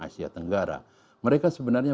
asia tenggara mereka sebenarnya